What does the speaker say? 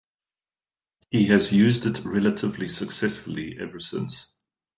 He has used it relatively successfully ever since.